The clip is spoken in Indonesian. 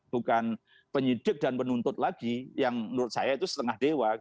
bukan penyidik dan penuntut lagi yang menurut saya itu setengah dewa